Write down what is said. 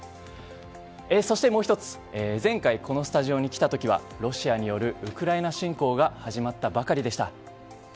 そしてもう１つ前回、このスタジオに来た時はロシアによるウクライナ侵攻が始まったばかりでした。